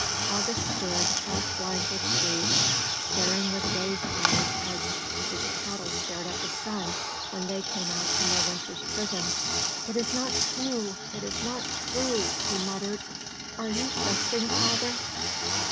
August stood, half blind with sleep, staring with dazed eyes as his cattle stared at the sun when they came out from their winter's prison. "It is not true. It is not true!" he muttered. "You are jesting, father?"